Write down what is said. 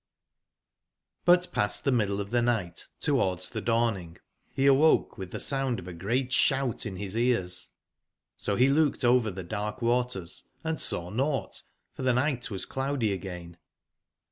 ^^^ |ClTr past tbe middle of tbe nigbt, towards tbe dawning, be awoke witb tbe sound of a great sbout in bis ears. So be looked over tbe darkwaters, &8awnougbt, for tbenigbtwas cloudy again.